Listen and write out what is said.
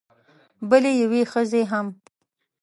بلې یوې ښځې هم